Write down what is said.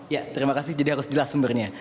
ya terima kasih jadi harus jelas sumbernya